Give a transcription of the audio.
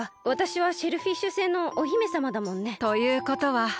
わたしはシェルフィッシュ星のお姫さまだもんね。ということは。